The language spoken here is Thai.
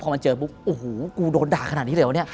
พอมันเจอปุ๊บโอ้โหกูโดนด่าขนาดนี้เลยวะเนี่ย